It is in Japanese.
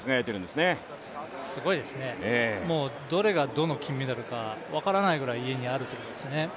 すごいですね、もうどれがどの金メダルか分からないくらい家にあるということですね。